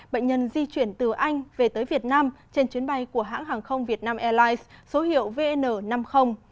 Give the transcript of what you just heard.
bệnh nhân di chuyển từ anh về tới việt nam trên chuyến bay của hãng hàng không việt nam airlines số hiệu vn năm mươi